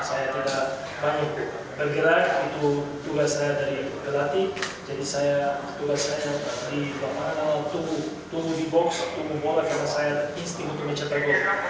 saya berpijak di dalam box karena saya tidak banyak bergerak itu tugas saya dari pelatih jadi tugas saya di luar sana tunggu tunggu di box tunggu bola karena saya istimewa mencetak gol